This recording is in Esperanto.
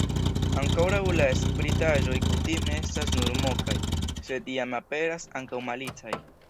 Ankoraŭ la spritaĵoj kutime estas nur mokaj, sed jam aperas ankaŭ malicaj.